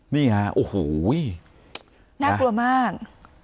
นี่ฮะโอ้โหน่ากลัวมาก